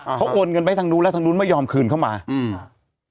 เขาโอนเงินไปทางนู้นแล้วทางนู้นไม่ยอมคืนเข้ามาอืม